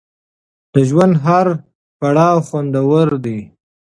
د ژوند هر پړاو خوندور دی.